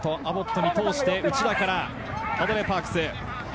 アボットに通して内田からハドレー・パークス。